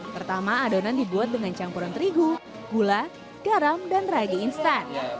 pertama adonan dibuat dengan campuran terigu gula garam dan ragi instan